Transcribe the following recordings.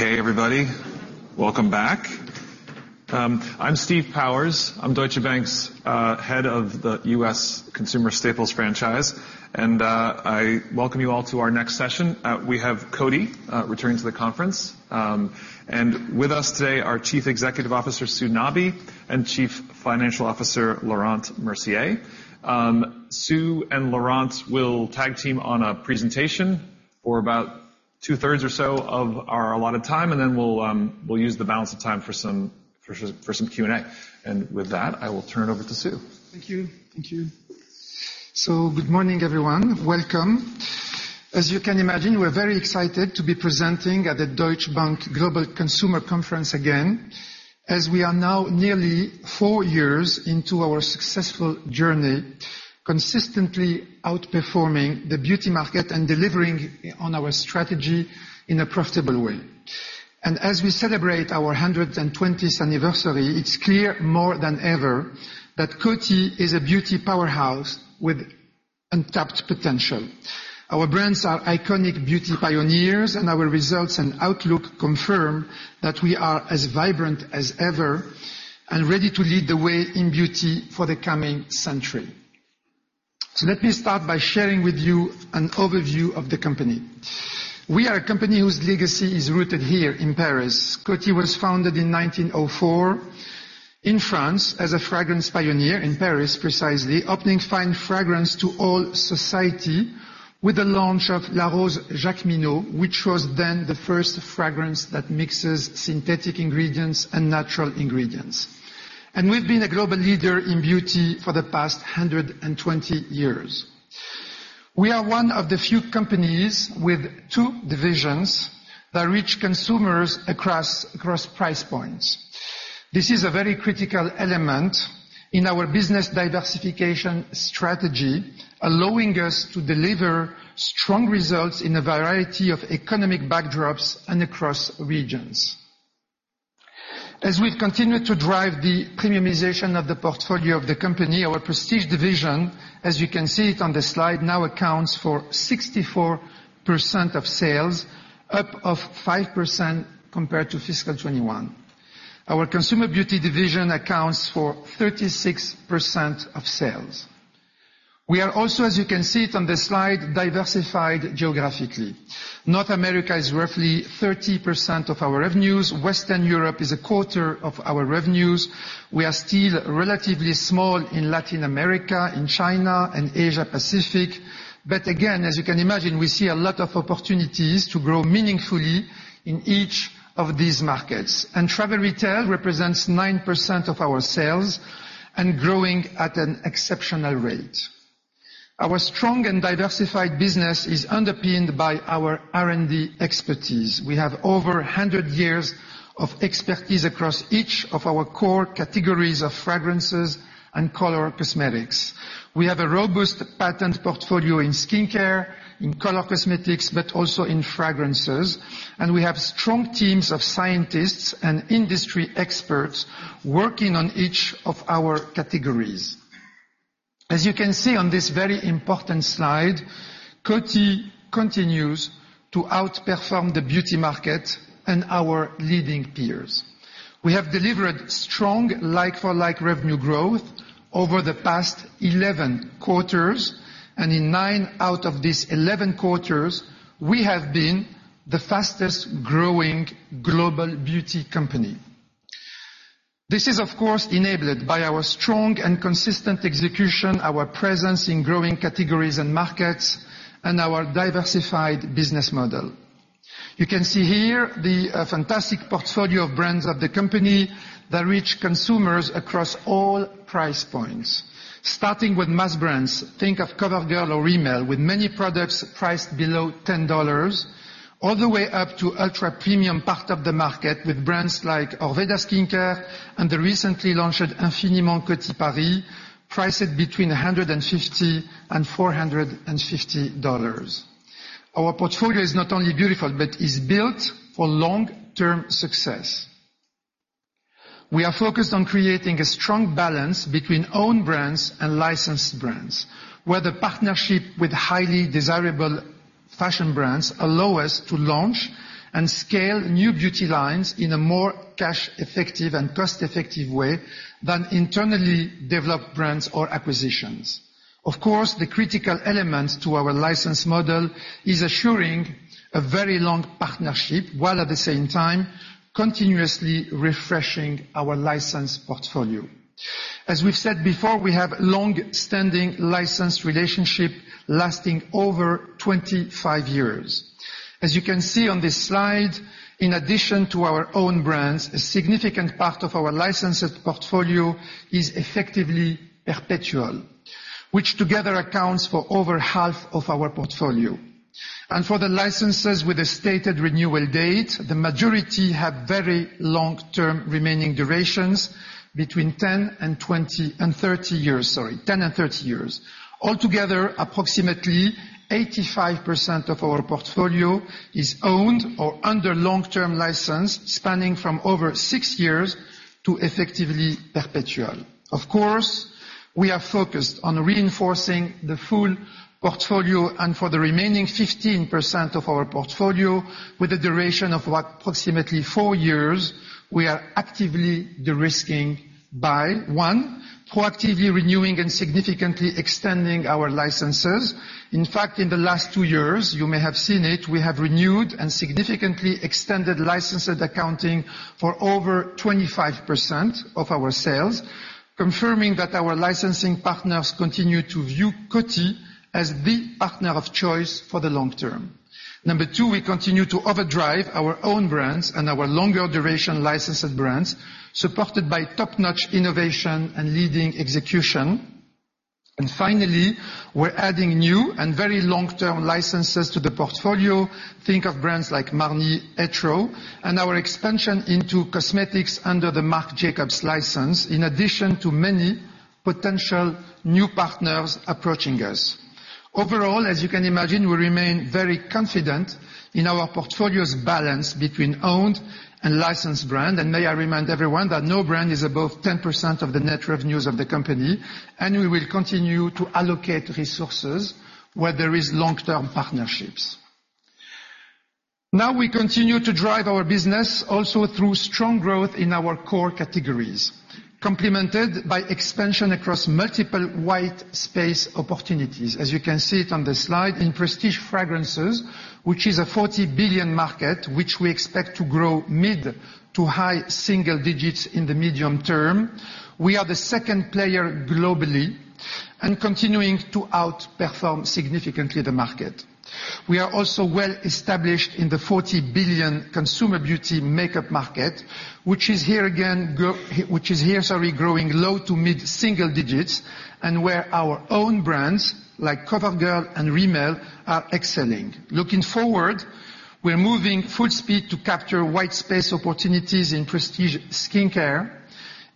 Okay, everybody, welcome back. I'm Steve Powers. I'm Deutsche Bank's head of the US Consumer Staples franchise, and I welcome you all to our next session. We have Coty returning to the conference. With us today, our Chief Executive Officer, Sue Nabi, and Chief Financial Officer, Laurent Mercier. Sue and Laurent will tag team on a presentation for about two-thirds or so of our allotted time, and then we'll use the balance of time for some Q&A. With that, I will turn it over to Sue. Thank you. Thank you. Good morning, everyone. Welcome. As you can imagine, we're very excited to be presenting at the Deutsche Bank Global Consumer Conference xagain, as we are now nearly four years into our successful journey, consistently outperforming the beauty market and delivering on our strategy in a profitable way. As we celebrate our 120th anniversary, it's clear more than ever that Coty is a beauty powerhouse with untapped potential. Our brands are iconic beauty pioneers, and our results and outlook confirm that we are as vibrant as ever and ready to lead the way in beauty for the coming century. Let me start by sharing with you an overview of the company. We are a company whose legacy is rooted here in Paris. Coty was founded in 1904, in France, as a fragrance pioneer in Paris, precisely, opening fine fragrance to all society with the launch of La Rose Jacqueminot, which was then the first fragrance that mixes synthetic ingredients and natural ingredients. We've been a global leader in beauty for the past 120 years. We are one of the few companies with two divisions that reach consumers across price points. This is a very critical element in our business diversification strategy, allowing us to deliver strong results in a variety of economic backdrops and across regions. As we've continued to drive the premiumization of the portfolio of the company, our Prestige division, as you can see it on the slide, now accounts for 64% of sales, up of 5% compared to fiscal 2021. Our Consumer Beauty division accounts for 36% of sales. We are also, as you can see it on the slide, diversified geographically. North America is roughly 30% of our revenues. Western Europe is 25% of our revenues. We are still relatively small in Latin America, in China and Asia Pacific, but again, as you can imagine, we see a lot of opportunities to grow meaningfully in each of these markets. And Travel Retail represents 9% of our sales and growing at an exceptional rate. Our strong and diversified business is underpinned by our R&D expertise. We have over 100 years of expertise across each of our core categories of fragrances and color cosmetics. We have a robust patent portfolio in skincare, in color cosmetics, but also in fragrances, and we have strong teams of scientists and industry experts working on each of our categories. As you can see on this very important slide, Coty continues to outperform the beauty market and our leading peers. We have delivered strong like-for-like revenue growth over the past 11 quarters, and in 9 out of these 11 quarters, we have been the fastest growing global beauty company. This is, of course, enabled by our strong and consistent execution, our presence in growing categories and markets, and our diversified business model. You can see here the fantastic portfolio of brands of the company that reach consumers across all price points. Starting with mass brands, think of CoverGirl or Rimmel, with many products priced below $10, all the way up to ultra-premium part of the market, with brands like Orveda Skincare and the recently launched Infiniment Coty Paris, priced between $150-$450. Our portfolio is not only beautiful, but is built for long-term success. We are focused on creating a strong balance between own brands and licensed brands, where the partnership with highly desirable fashion brands allow us to launch and scale new beauty lines in a more cash-effective and cost-effective way than internally developed brands or acquisitions. Of course, the critical element to our license model is assuring a very long partnership, while at the same time, continuously refreshing our license portfolio. As we've said before, we have long-standing license relationship lasting over 25 years. As you can see on this slide, in addition to our own brands, a significant part of our licensed portfolio is effectively perpetual, which together accounts for over half of our portfolio. For the licenses with a stated renewal date, the majority have very long-term remaining durations between 10-30 years, sorry. Altogether, approximately 85% of our portfolio is owned or under long-term license, spanning from over 6 years to effectively perpetual. Of course, we are focused on reinforcing the full portfolio, and for the remaining 15% of our portfolio, with a duration of, what, approximately 4 years, we are actively de-risking by, one, proactively renewing and significantly extending our licenses. In fact, in the last two years, you may have seen it, we have renewed and significantly extended licenses accounting for over 25% of our sales, confirming that our licensing partners continue to view Coty as the partner of choice for the long term. Number two, we continue to overdrive our own brands and our longer duration licensed brands, supported by top-notch innovation and leading execution. And finally, we're adding new and very long-term licenses to the portfolio. Think of brands like Marni, Etro, and our expansion into cosmetics under the Marc Jacobs license, in addition to many potential new partners approaching us. Overall, as you can imagine, we remain very confident in our portfolio's balance between owned and licensed brand, and may I remind everyone that no brand is above 10% of the net revenues of the company, and we will continue to allocate resources where there is long-term partnerships. Now, we continue to drive our business also through strong growth in our core categories, complemented by expansion across multiple white space opportunities. As you can see it on the slide, in prestige fragrances, which is a $40 billion market, which we expect to grow mid- to high-single digits in the medium term, we are the second player globally and continuing to outperform significantly the market. We are also well established in the $40 billion consumer beauty makeup market, which is here again, which is here, sorry, growing low- to mid-single digits, and where our own brands, like CoverGirl and Rimmel, are excelling. Looking forward, we're moving full speed to capture white space opportunities in prestige skincare,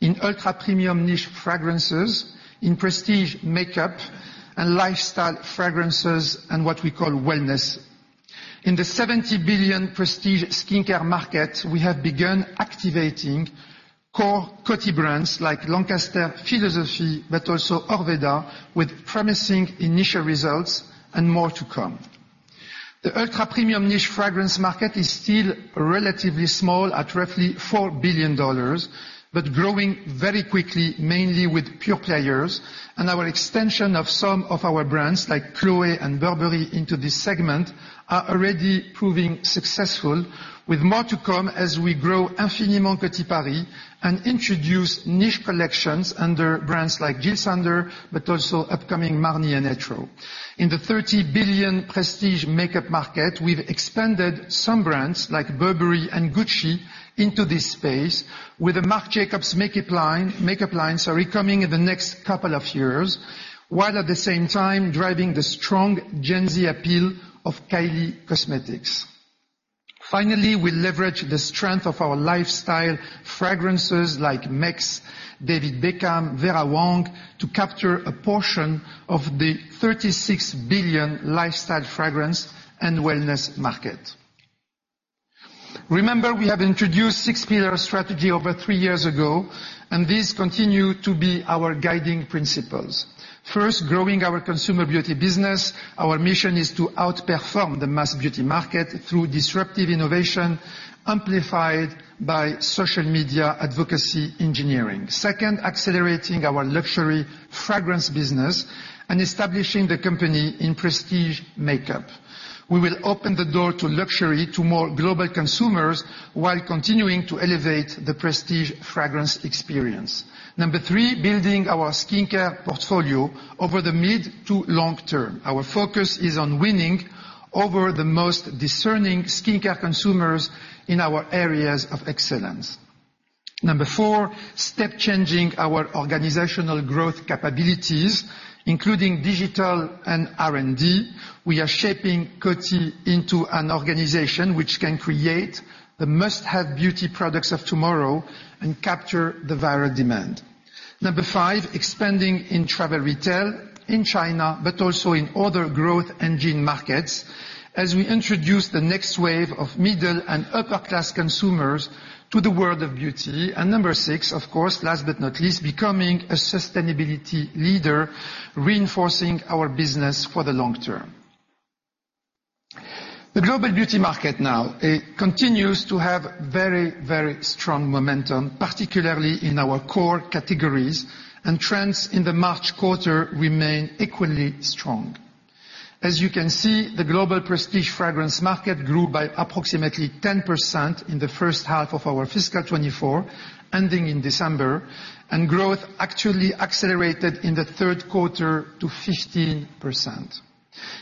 in ultra-premium niche fragrances, in prestige makeup, and lifestyle fragrances, and what we call wellness. In the $70 billion prestige skincare market, we have begun activating core Coty brands like Lancaster, Philosophy, but also Orveda, with promising initial results and more to come. The ultra-premium niche fragrance market is still relatively small, at roughly $4 billion, but growing very quickly, mainly with pure players. Our extension of some of our brands, like Chloé and Burberry, into this segment are already proving successful, with more to come as we grow Infiniment Coty Paris and introduce niche collections under brands like Jil Sander, but also upcoming Marni and Etro. In the $30 billion prestige makeup market, we've expanded some brands, like Burberry and Gucci, into this space with a Marc Jacobs makeup line, makeup line, sorry, coming in the next couple of years, while at the same time driving the strong Gen Z appeal of Kylie Cosmetics. Finally, we leverage the strength of our lifestyle fragrances like Mexx, David Beckham, Vera Wang, to capture a portion of the $36 billion lifestyle fragrance and wellness market. Remember, we have introduced six-pillar strategy over three years ago, and these continue to be our guiding principles. First, growing our consumer beauty business, our mission is to outperform the mass beauty market through disruptive innovation, amplified by social media advocacy engineering. Second, accelerating our luxury fragrance business and establishing the company in prestige makeup. We will open the door to luxury to more global consumers while continuing to elevate the prestige fragrance experience. Number three, building our skincare portfolio over the mid to long term. Our focus is on winning over the most discerning skincare consumers in our areas of excellence. Number four, step changing our organizational growth capabilities, including digital and R&D. We are shaping Coty into an organization which can create the must-have beauty products of tomorrow and capture the viral demand. Number five, expanding in Travel Retail in China, but also in other growth engine markets, as we introduce the next wave of middle and upper-class consumers to the world of beauty. And number six, of course, last but not least, becoming a sustainability leader, reinforcing our business for the long term. The global beauty market now, it continues to have very, very strong momentum, particularly in our core categories, and trends in the March quarter remain equally strong. As you can see, the global prestige fragrance market grew by approximately 10% in the first half of our fiscal 2024, ending in December, and growth actually accelerated in the third quarter to 15%.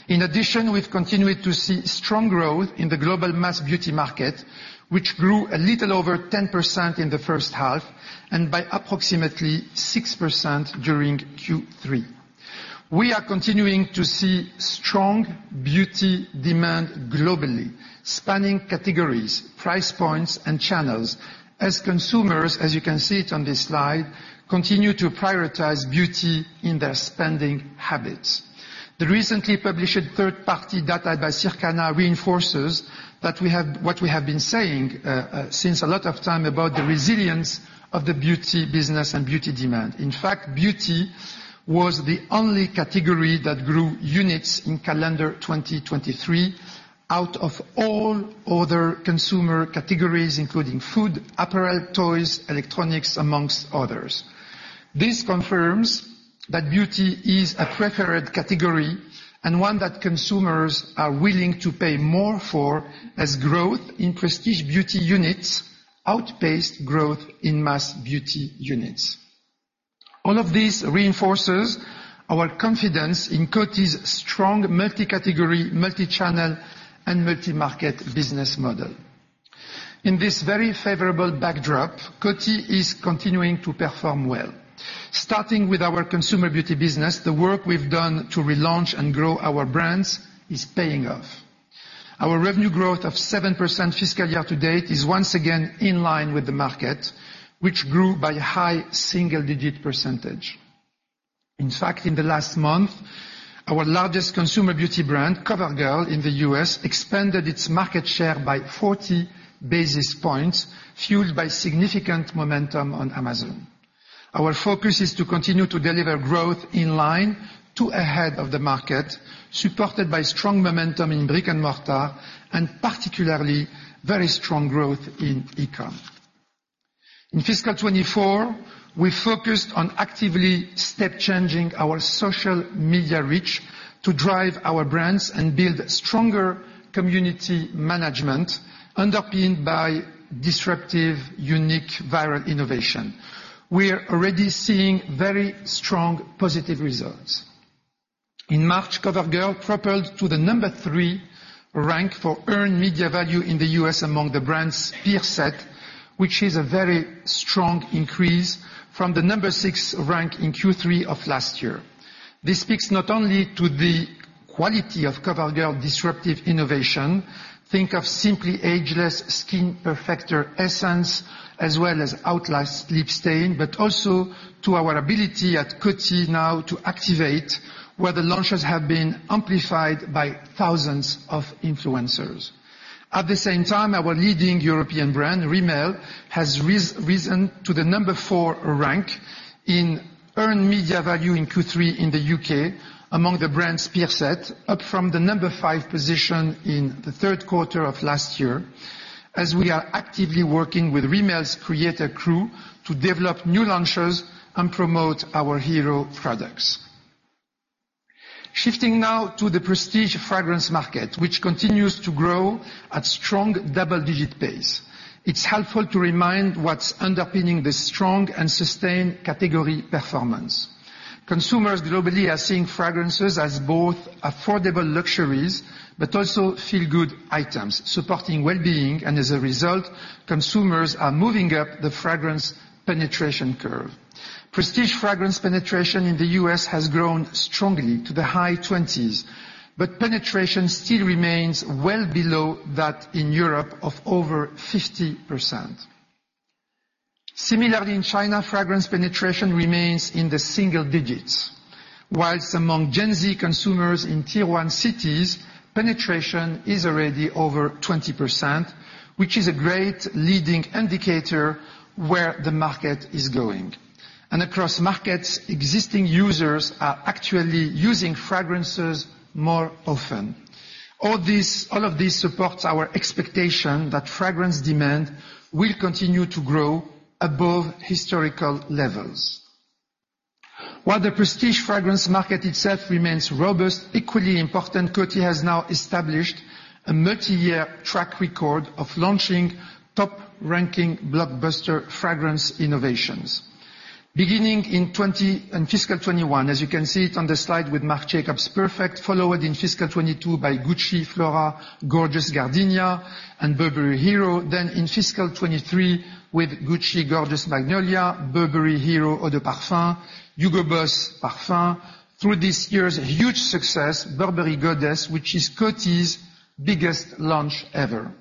In addition, we've continued to see strong growth in the global mass beauty market, which grew a little over 10% in the first half and by approximately 6% during Q3. We are continuing to see strong beauty demand globally, spanning categories, price points, and channels, as consumers, as you can see it on this slide, continue to prioritize beauty in their spending habits. The recently published third-party data by Circana reinforces what we have been saying since a lot of time about the resilience of the beauty business and beauty demand. In fact, beauty was the only category that grew units in calendar 2023 out of all other consumer categories, including food, apparel, toys, electronics, among others. This confirms that beauty is a preferred category, and one that consumers are willing to pay more for, as growth in prestige beauty units outpaced growth in mass beauty units. All of this reinforces our confidence in Coty's strong multi-category, multi-channel, and multi-market business model. In this very favorable backdrop, Coty is continuing to perform well. Starting with our consumer beauty business, the work we've done to relaunch and grow our brands is paying off. Our revenue growth of 7% fiscal year to date is once again in line with the market, which grew by high single-digit %. In fact, in the last month, our largest consumer beauty brand, CoverGirl, in the U.S., expanded its market share by 40 basis points, fueled by significant momentum on Amazon. Our focus is to continue to deliver growth in line to ahead of the market, supported by strong momentum in brick-and-mortar, and particularly, very strong growth in e-com. In fiscal 2024, we focused on actively step-changing our social media reach to drive our brands and build stronger community management, underpinned by disruptive, unique, viral innovation. We are already seeing very strong positive results. In March, CoverGirl propelled to the number three rank for earned media value in the U.S. among the brand's peer set, which is a very strong increase from the number six rank in Q3 of last year. This speaks not only to the quality of CoverGirl disruptive innovation, think of Simply Ageless Skin Perfector Essence, as well as Outlast Lip Stain, but also to our ability at Coty now to activate where the launches have been amplified by thousands of influencers. At the same time, our leading European brand, Rimmel, has risen to the number four rank in earned media value in Q3 in the U.K. among the brand's peer set, up from the number five position in the third quarter of last year, as we are actively working with Rimmel's Creator Crew to develop new launches and promote our hero products. Shifting now to the prestige fragrance market, which continues to grow at strong double-digit pace. It's helpful to remind what's underpinning this strong and sustained category performance. Consumers globally are seeing fragrances as both affordable luxuries, but also feel-good items, supporting well-being, and as a result, consumers are moving up the fragrance penetration curve. Prestige fragrance penetration in the U.S. has grown strongly to the high twenties, but penetration still remains well below that in Europe of over 50%. Similarly, in China, fragrance penetration remains in the single digits, while among Gen Z consumers in Tier 1 cities, penetration is already over 20%, which is a great leading indicator where the market is going. Across markets, existing users are actually using fragrances more often. All this- all of this supports our expectation that fragrance demand will continue to grow above historical levels. While the prestige fragrance market itself remains robust, equally important, Coty has now established a multi-year track record of launching top-ranking blockbuster fragrance innovations. Beginning in fiscal 2021, as you can see it on the slide with Marc Jacobs Perfect, followed in fiscal 2022 by Gucci Flora Gorgeous Gardenia and Burberry Hero, then in fiscal 2023 with Gucci Gorgeous Magnolia, Burberry Hero Eau de Parfum, Hugo Boss Parfum, through this year's huge success, Burberry Goddess, which is Coty's biggest launch ever.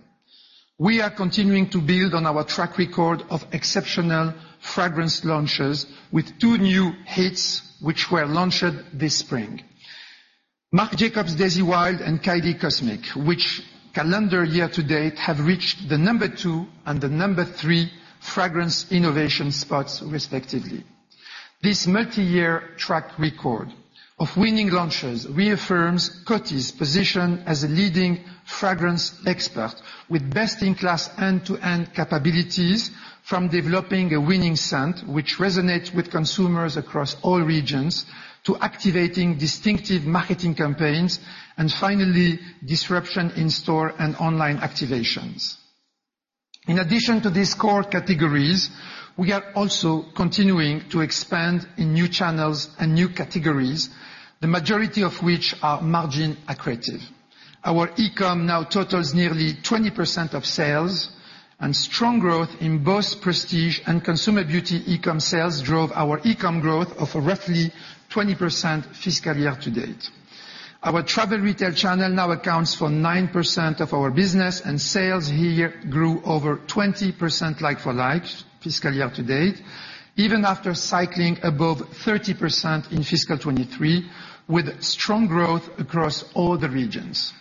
We are continuing to build on our track record of exceptional fragrance launches with two new hits, which were launched this spring. Marc Jacobs Daisy Wild and Kylie Cosmic, which calendar year to date have reached the number two and the number three fragrance innovation spots, respectively. This multi-year track record of winning launches reaffirms Coty's position as a leading fragrance expert with best-in-class end-to-end capabilities from developing a winning scent, which resonates with consumers across all regions, to activating distinctive marketing campaigns, and finally, disruption in-store and online activations. In addition to these core categories, we are also continuing to expand in new channels and new categories, the majority of which are margin accretive. Our e-com now totals nearly 20% of sales, and strong growth in both Prestige and Consumer Beauty e-com sales drove our e-com growth of roughly 20% fiscal year to date. Our Travel Retail channel now accounts for 9% of our business, and sales here grew over 20% like-for-like fiscal year to date, even after cycling above 30% in fiscal 2023, with strong growth across all the regions.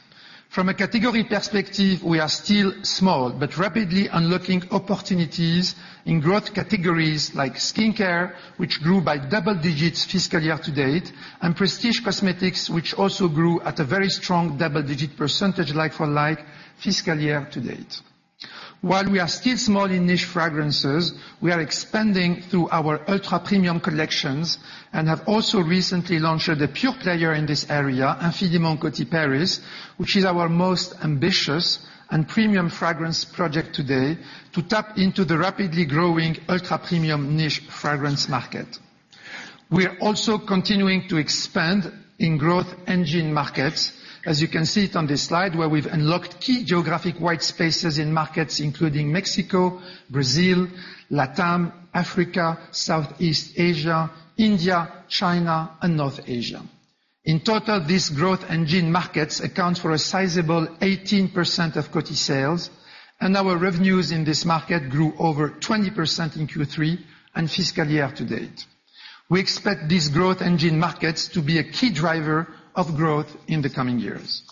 From a category perspective, we are still small, but rapidly unlocking opportunities in growth categories like skincare, which grew by double digits fiscal year to date, and prestige cosmetics, which also grew at a very strong double-digit percentage like-for-like fiscal year to date. While we are still small in niche fragrances, we are expanding through our ultra-premium collections and have also recently launched a pure player in this area, Infiniment Coty Paris, which is our most ambitious and premium fragrance project today, to tap into the rapidly growing ultra-premium niche fragrance market. We are also continuing to expand in growth engine markets, as you can see it on this slide, where we've unlocked key geographic white spaces in markets including Mexico, Brazil, Latam, Africa, Southeast Asia, India, China and North Asia. In total, these growth engine markets account for a sizable 18% of Coty sales, and our revenues in this market grew over 20% in Q3 and fiscal year to date. We expect these growth engine markets to be a key driver of growth in the coming years.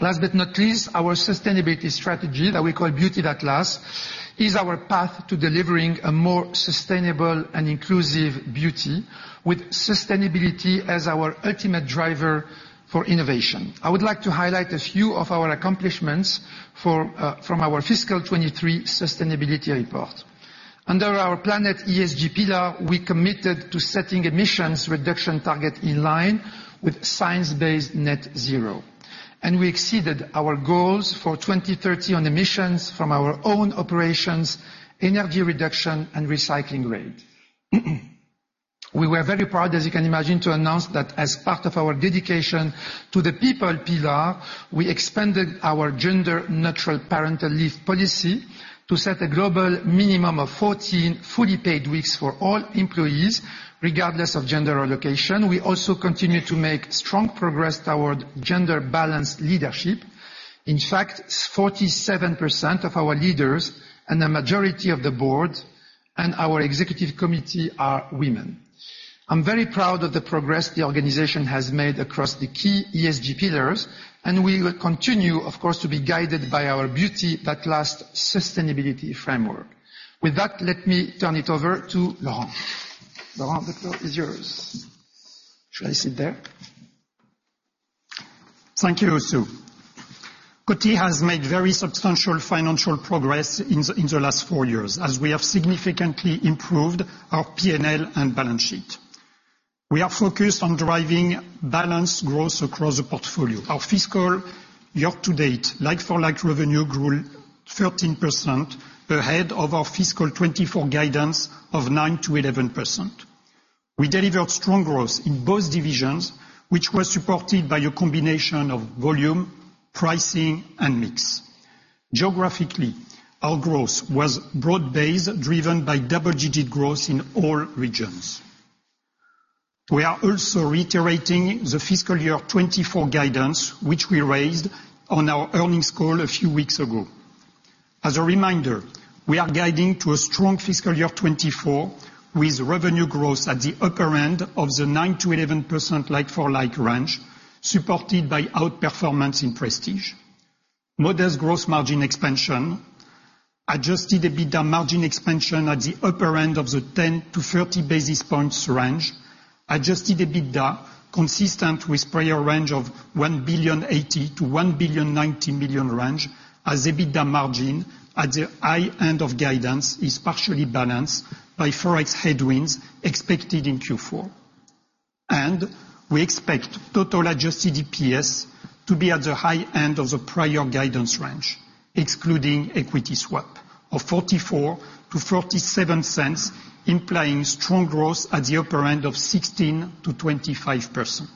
Last but not least, our sustainability strategy, that we call Beauty That Lasts, is our path to delivering a more sustainable and inclusive beauty, with sustainability as our ultimate driver for innovation. I would like to highlight a few of our accomplishments from our fiscal 2023 sustainability report. Under our Planet ESG pillar, we committed to setting emissions reduction target in line with Science-Based Net Zero, and we exceeded our goals for 2030 on emissions from our own operations, energy reduction, and recycling rate. We were very proud, as you can imagine, to announce that as part of our dedication to the people pillar, we expanded our gender-neutral parental leave policy to set a global minimum of 14 fully paid weeks for all employees, regardless of gender or location. We also continue to make strong progress toward gender-balanced leadership. In fact, 47% of our leaders and a majority of the board and our executive committee are women. I'm very proud of the progress the organization has made across the key ESG pillars, and we will continue, of course, to be guided by our Beauty That Lasts sustainability framework. With that, let me turn it over to Laurent. Laurent, the floor is yours. Should I sit there? Thank you, Sue. Coty has made very substantial financial progress in the last four years, as we have significantly improved our P&L and balance sheet. We are focused on driving balanced growth across the portfolio. Our fiscal year to date, like-for-like revenue grew 13%, ahead of our fiscal 2024 guidance of 9%-11%. We delivered strong growth in both divisions, which was supported by a combination of volume, pricing, and mix. Geographically, our growth was broad-based, driven by double-digit growth in all regions. We are also reiterating the FY 2024 guidance, which we raised on our earnings call a few weeks ago. As a reminder, we are guiding to a strong FY 2024, with revenue growth at the upper end of the 9%-11% like-for-like range, supported by outperformance in prestige. Modest gross margin expansion, adjusted EBITDA margin expansion at the upper end of the 10-30 basis points range, adjusted EBITDA consistent with prior range of $1.08 billion-$1.09 billion, as EBITDA margin at the high end of guidance is partially balanced by Forex headwinds expected in Q4. We expect total adjusted EPS to be at the high end of the prior guidance range, excluding equity swap of $0.44-$0.47, implying strong growth at the upper end of 16%-25%.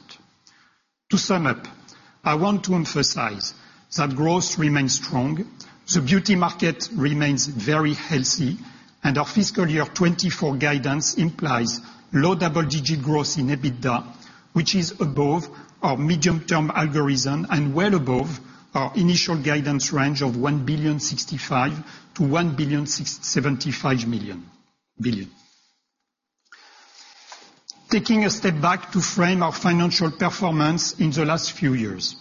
To sum up, I want to emphasize that growth remains strong, the beauty market remains very healthy, and our FY 2024 guidance implies low double-digit growth in EBITDA, which is above our medium-term algorithm and well above our initial guidance range of $1.065 billion-$1.075 billion. Taking a step back to frame our financial performance in the last few years,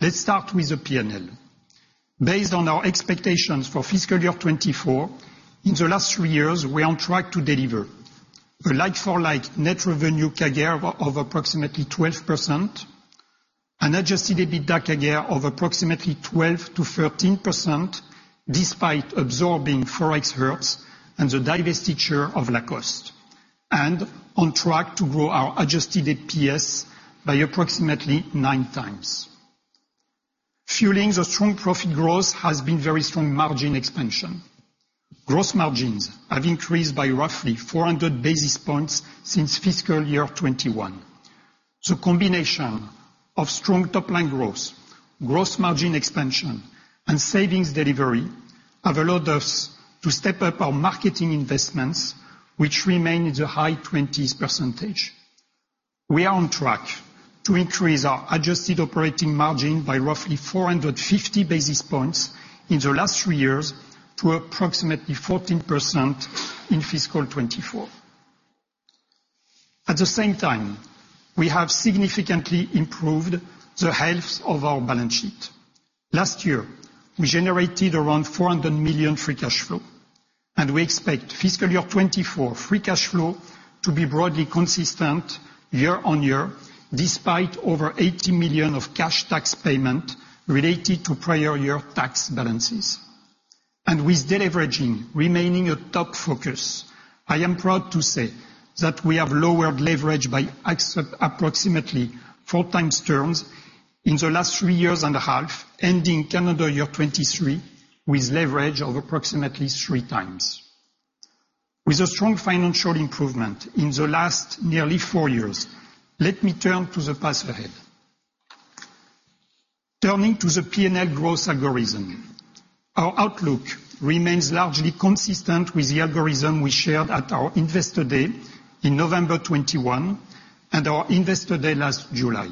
let's start with the P&L. Based on our expectations for FY 2024, in the last three years, we are on track to deliver a Like-for-Like net revenue CAGR of approximately 12%, an adjusted EBITDA CAGR of approximately 12%-13%, despite absorbing Forex hurts and the divestiture of Lacoste, and on track to grow our adjusted EPS by approximately 9x. Fueling the strong profit growth has been very strong margin expansion. Gross margins have increased by roughly 400 basis points FY 2021. the combination of strong top line growth, growth margin expansion, and savings delivery have allowed us to step up our marketing investments, which remain in the high 20s percentage. We are on track to increase our adjusted operating margin by roughly 450 basis points in the last three years to approximately 14% in fiscal 2024. At the same time, we have significantly improved the health of our balance sheet. Last year, we generated around $400 million free cash flow, and we expect FY 2024 free cash flow to be broadly consistent year-on-year, despite over $80 million of cash tax payment related to prior year tax balances. With deleveraging remaining a top focus, I am proud to say that we have lowered leverage by approximately 4x terms in the last 3.5 years, ending calendar year 2023, with leverage of approximately 3x. With a strong financial improvement in the last nearly four years, let me turn to the path ahead. Turning to the P&L growth algorithm, our outlook remains largely consistent with the algorithm we shared at our Investor Day in November 2021, and our Investor Day last July.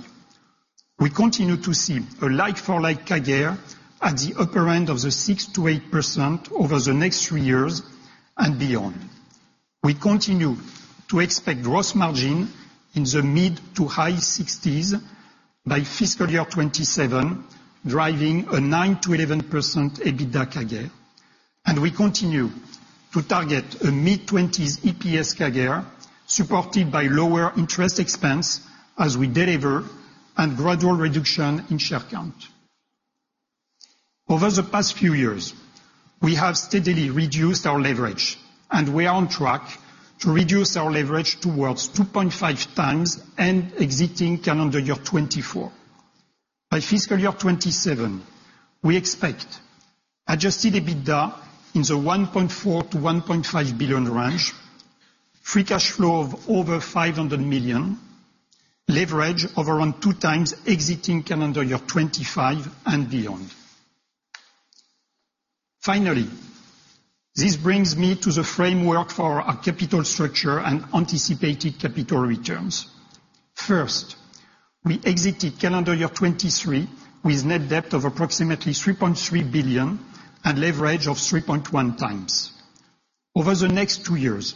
We continue to see a like-for-like CAGR at the upper end of the 6%-8% over the next three years and beyond. We continue to expect gross margin in the mid- to high-60s by FY 2027, driving a 9%-11% EBITDA CAGR, and we continue to target a mid-20s EPS CAGR, supported by lower interest expense as we deliver and gradual reduction in share count. Over the past few years, we have steadily reduced our leverage, and we are on track to reduce our leverage towards 2.5 times and exiting calendar year 2024. By FY 2027, we expect adjusted EBITDA in the $1.4 billion-$1.5 billion range, free cash flow of over $500 million, leverage of around 2x exiting calendar year 2025 and beyond. Finally, this brings me to the framework for our capital structure and anticipated capital returns. First, we exited calendar year 2023 with net debt of approximately $3.3 billion and leverage of 3.1x. Over the next two years,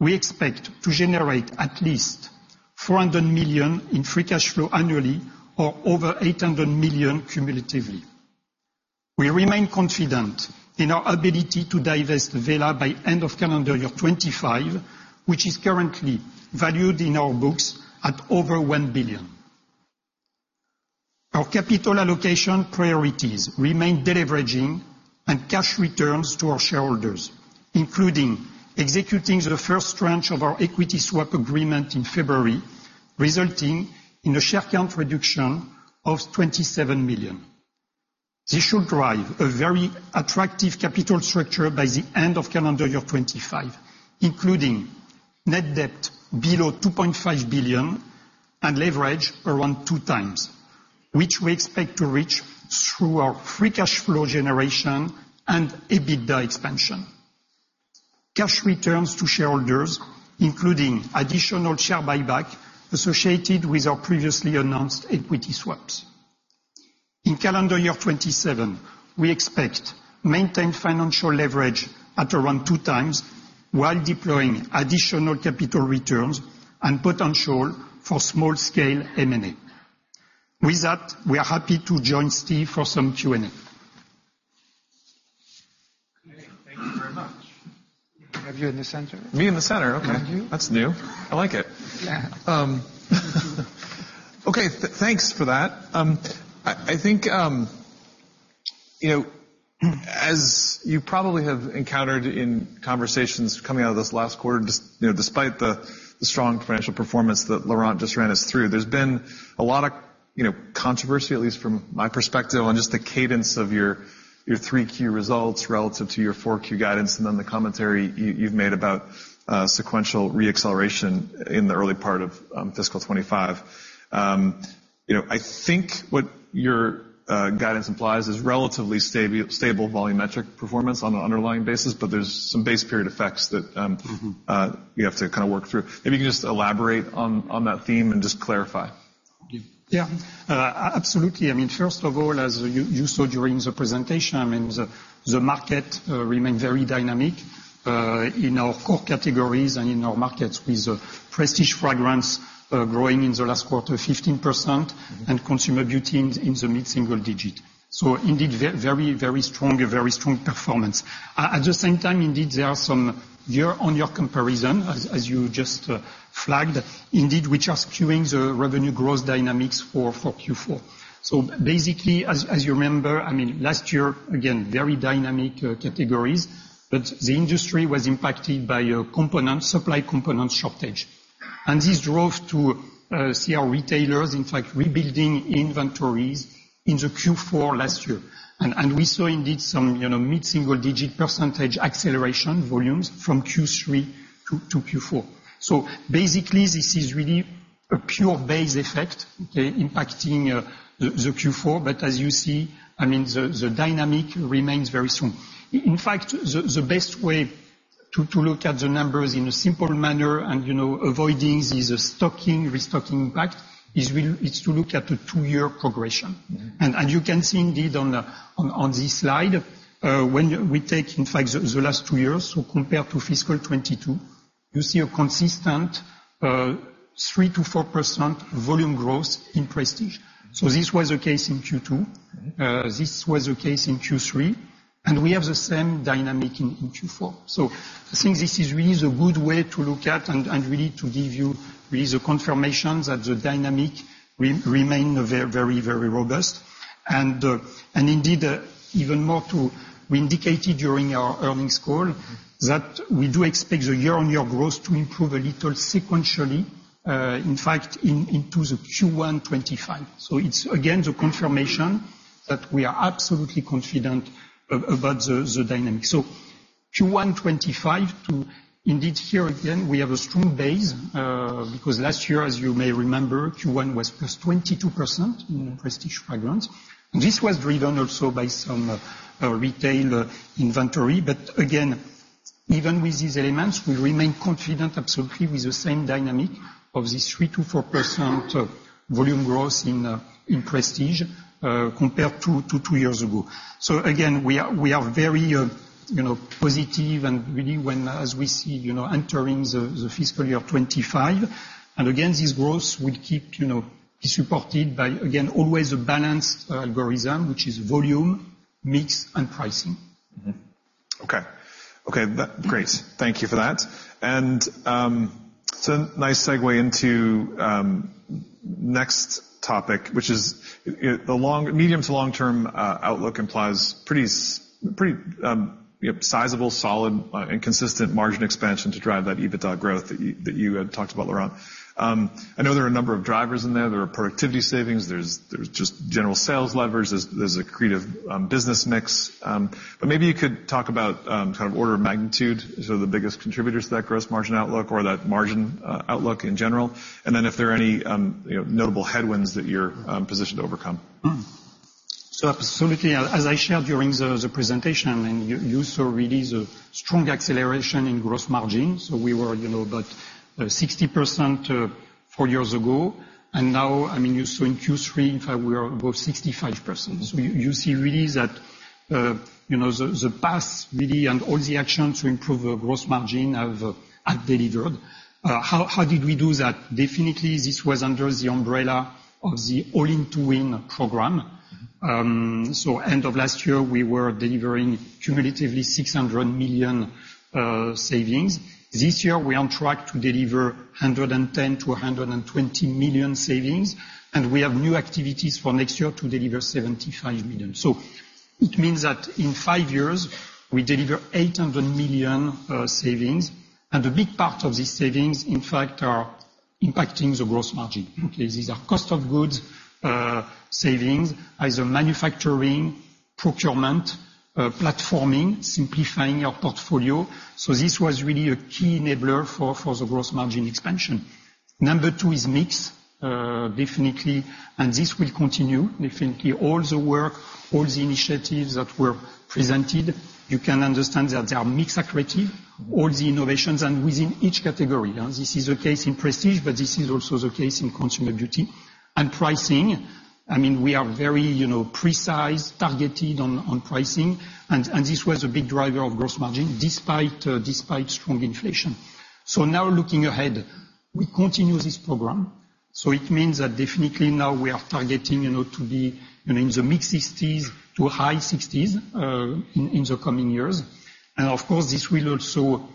we expect to generate at least $400 million in free cash flow annually, or over $800 million cumulatively. We remain confident in our ability to divest Wella by end of calendar year 2025, which is currently valued in our books at over $1 billion. Our capital allocation priorities remain deleveraging and cash returns to our shareholders, including executing the first tranche of our equity swap agreement in February, resulting in a share count reduction of 27 million. This should drive a very attractive capital structure by the end of calendar year 2025, including net debt below $2.5 billion and leverage around 2x, which we expect to reach through our free cash flow generation and EBITDA expansion. Cash returns to shareholders, including additional share buyback associated with our previously announced equity swaps. In calendar year 2027, we expect maintained financial leverage at around 2x, while deploying additional capital returns and potential for small-scale M&A. With that, we are happy to join Steve for some Q&A. Thank you very much. Have you in the center? Me in the center, okay. And you. That's new. I like it. Yeah. Okay, thanks for that. I think, you know, as you probably have encountered in conversations coming out of this last quarter, just, you know, despite the strong financial performance that Laurent just ran us through, there's been a lot of, you know, controversy, at least from my perspective, on just the cadence of your 3Q results relative to your 4Q guidance, and then the commentary you've made about sequential re-acceleration in the early part of fiscal 2025. You know, I think what your guidance implies is relatively stable volumetric performance on an underlying basis, but there's some base period effects that, Mm-hmm... you have to kinda work through. Maybe you can just elaborate on that theme and just clarify. Yeah. Absolutely. I mean, first of all, as you saw during the presentation, I mean, the market remained very dynamic in our core categories and in our markets, with prestige fragrance growing in the last quarter 15% and consumer beauty in the mid-single digit. So indeed, very, very strong, a very strong performance. At the same time, indeed, there are some year-on-year comparison, as you just flagged. Indeed, we are skewing the revenue growth dynamics for Q4. So basically, as you remember, I mean, last year, again, very dynamic categories, but the industry was impacted by a component supply component shortage. And this drove to see our retailers, in fact, rebuilding inventories in the Q4 last year. And we saw indeed some, you know, mid-single-digit % acceleration volumes from Q3 to Q4. So basically, this is really a pure base effect, okay, impacting the Q4. But as you see, I mean, the dynamic remains very strong. In fact, the best way to look at the numbers in a simple manner and, you know, avoiding the stocking and restocking impact is really to look at the two-year progression. Mm-hmm. You can see indeed on this slide, when we take, in fact, the last two years, so compared to fiscal 2022, you see a consistent, three to four percent volume growth in prestige. So this was the case in Q2, this was the case in Q3, and we have the same dynamic in Q4. So I think this is really the good way to look at, and really to give you really the confirmations that the dynamic remain very, very, very robust. And indeed, even more to... We indicated during our earnings call- Mm-hmm... that we do expect the year-on-year growth to improve a little sequentially, in fact, into the Q1 2025. So it's again, the confirmation that we are absolutely confident about the dynamic. So Q1 2025, to indeed, here again, we have a strong base, because last year, as you may remember, Q1 was +22%. Mm-hmm... in prestige fragrance. And this was driven also by some retail inventory. But again, even with these elements, we remain confident absolutely with the same dynamic of this 3%-4% volume growth in prestige compared to two years ago. So again, we are, we are very, you know, positive and really as we see, you know, entering the FY 2025. And again, this growth will keep, you know, be supported by again always a balanced algorithm, which is volume, mix, and pricing. Mm-hmm. Okay. Okay, Great. Thank you for that. And so nice segue into next topic, which is the long, medium to long-term outlook implies pretty sizable, solid, and consistent margin expansion to drive that EBITDA growth that you had talked about, Laurent. I know there are a number of drivers in there. There are productivity savings, there's just general sales levers, there's accretive business mix. But maybe you could talk about kind of order of magnitude. So the biggest contributors to that gross margin outlook or that margin outlook in general. And then if there are any, you know, notable headwinds that you're positioned to overcome. Absolutely. As I shared during the presentation, and you saw really the strong acceleration in gross margin. So we were, you know, about 60% four years ago, and now, I mean, you saw in Q3, in fact, we are above 65%. So you see really that, you know, the path really, and all the actions to improve the gross margin have delivered. How did we do that? Definitely, this was under the umbrella of the All-in to Win program. So end of last year, we were delivering cumulatively $600 million savings. This year, we're on track to deliver $110 million-$120 million savings, and we have new activities for next year to deliver $75 million. So it means that in five years, we deliver $800 million savings, and a big part of these savings, in fact, are impacting the gross margin. Okay, these are cost of goods savings, either manufacturing, procurement, platforming, simplifying our portfolio. So this was really a key enabler for the gross margin expansion. Number two is mix, definitely, and this will continue. Definitely, all the work, all the initiatives that were presented, you can understand that they are mix accretive, all the innovations, and within each category. This is the case in Prestige, but this is also the case in Consumer Beauty. Pricing, I mean, we are very, you know, precise, targeted on pricing, and this was a big driver of gross margin despite strong inflation. So now, looking ahead, we continue this program. So it means that definitely now we are targeting, you know, to be, you know, in the mid-60s to high 60s in the coming years. And of course, this will also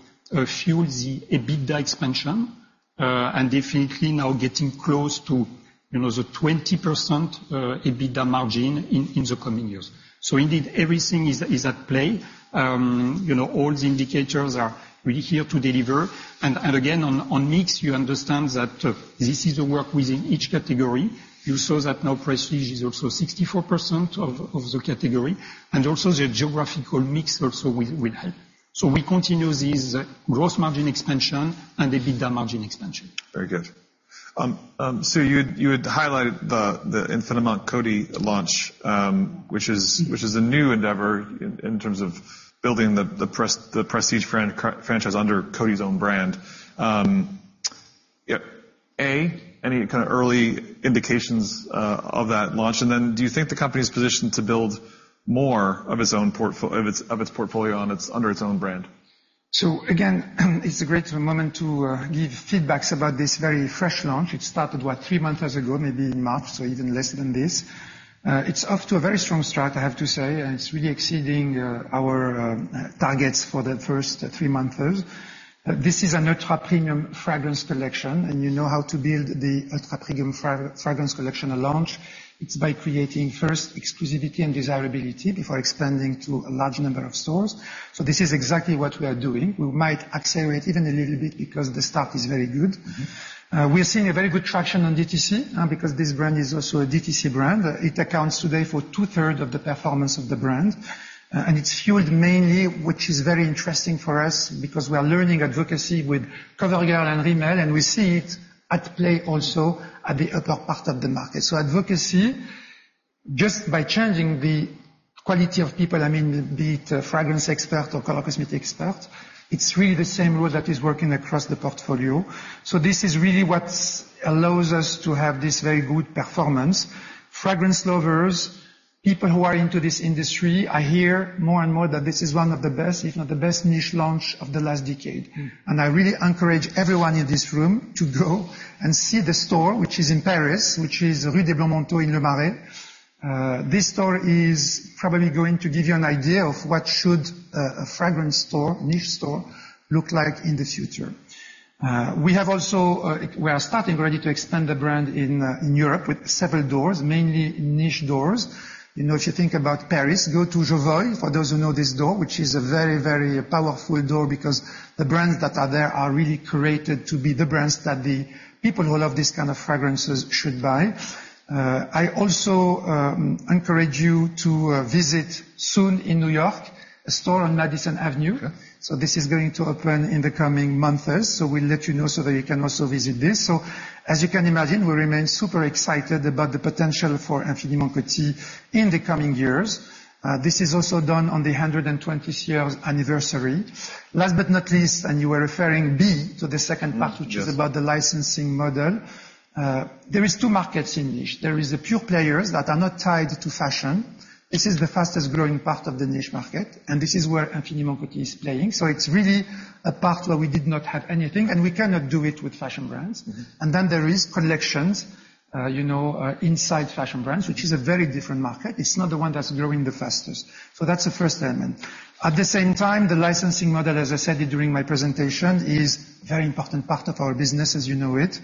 fuel the EBITDA expansion, and definitely now getting close to, you know, the 20% EBITDA margin in the coming years. So indeed, everything is at play. You know, all the indicators are really here to deliver. And again, on mix, you understand that this is a work within each category. You saw that now Prestige is also 64% of the category, and also the geographical mix also will help. So we continue this gross margin expansion and EBITDA margin expansion. Very good. So you had highlighted the Infiniment Coty launch, which is- Mm... which is a new endeavor in terms of building the prestige fragrance franchise under Coty's own brand. Yep. Any kind of early indications of that launch? And then do you think the company is positioned to build more of its own portfolio under its own brand? So again, it's a great moment to give feedbacks about this very fresh launch. It started, what, three months ago, maybe in March, so even less than this. It's off to a very strong start, I have to say, and it's really exceeding our targets for the first three months. But this is an ultra-premium fragrance collection, and you know how to build the ultra-premium fragrance collection at launch. It's by creating, first, exclusivity and desirability before expanding to a large number of stores. So this is exactly what we are doing. We might accelerate even a little bit because the start is very good. Mm-hmm. We are seeing a very good traction on DTC, because this brand is also a DTC brand. It accounts today for two-thirds of the performance of the brand. And it's fueled mainly, which is very interesting for us, because we are learning advocacy with CoverGirl and Rimmel, and we see it at play also at the upper part of the market. So advocacy-... Just by changing the quality of people, I mean, be it a fragrance expert or color cosmetic expert, it's really the same rule that is working across the portfolio. So this is really what's allows us to have this very good performance. Fragrance lovers, people who are into this industry, I hear more and more that this is one of the best, if not the best, niche launch of the last decade. And I really encourage everyone in this room to go and see the store, which is in Paris, which is Rue des Blancs-Manteaux in Le Marais. This store is probably going to give you an idea of what should a fragrance store, niche store, look like in the future. We have also... We are starting already to expand the brand in Europe with several doors, mainly niche doors. You know, if you think about Paris, go to Jovoy, for those who know this door, which is a very, very powerful door, because the brands that are there are really created to be the brands that the people who love these kind of fragrances should buy. I also encourage you to visit soon in New York, a store on Madison Avenue. So this is going to open in the coming months, so we'll let you know so that you can also visit this. So as you can imagine, we remain super excited about the potential for Infiniment Coty in the coming years. This is also done on the 120-year anniversary. Last but not least, and you were referring, B, to the second part- Yes... which is about the licensing model. There is two markets in niche. There is the pure players that are not tied to fashion. This is the fastest growing part of the niche market, and this is where Infiniment Coty is playing. So it's really a part where we did not have anything, and we cannot do it with fashion brands. Mm-hmm. And then there is collections, you know, inside fashion brands, which is a very different market. It's not the one that's growing the fastest. So that's the first element. At the same time, the licensing model, as I said it during my presentation, is very important part of our business as you know it.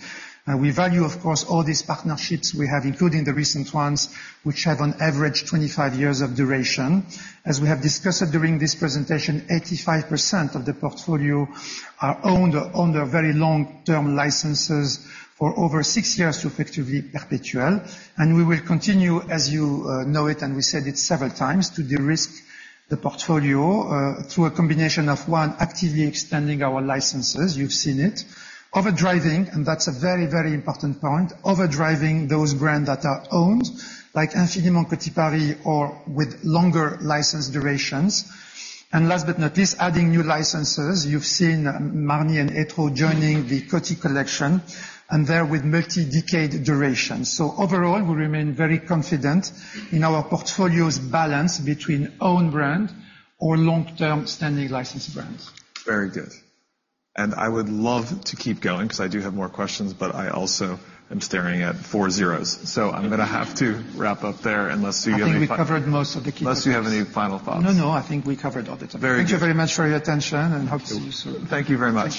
We value, of course, all these partnerships we have, including the recent ones, which have on average, 25 years of duration. As we have discussed during this presentation, 85% of the portfolio are owned under very long-term licenses for over six years to effectively perpetual. And we will continue, as you know it, and we said it several times, to de-risk the portfolio, through a combination of, one, actively extending our licenses. You've seen it. Overdriving, and that's a very, very important point, overdriving those brands that are owned, like Infiniment Coty Paris, or with longer license durations. Last but not least, adding new licenses. You've seen Marni and Etro joining the Coty collection, and they're with multi-decade duration. Overall, we remain very confident in our portfolio's balance between own brands or long-term standing license brands. Very good. I would love to keep going, because I do have more questions, but I also am staring at four zeros, so I'm gonna have to wrap up there unless you have any- I think we covered most of the key points. Unless you have any final thoughts. No, no, I think we covered all the time. Very good. Thank you very much for your attention, and hope to see you soon. Thank you very much.